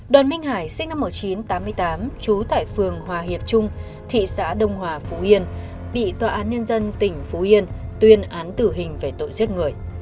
đoàn minh hải sinh năm một nghìn chín trăm tám mươi tám trú tại phường hòa hiệp trung thị xã đông hòa phú yên bị tòa án nhân dân tỉnh phú yên tuyên án tử hình về tội giết người